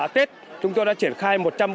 tết chúng tôi đã triển khai